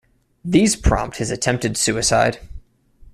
These prompt his attempted suicide.